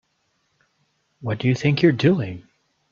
What do you think you're doing?